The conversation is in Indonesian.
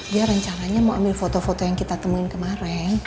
dia rencananya mau ambil foto foto yang kita temuin kemarin